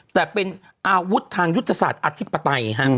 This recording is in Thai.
แต่เป็นอาวุธทางยุทธศาสตร์อธิปไตย